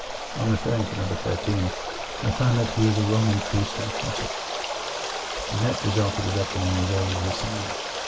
On referring to No. 13, I find that he is a Roman priest in a cassock. The net result of the reckoning is always the same.